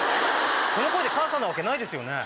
この声で母さんなわけないですよね。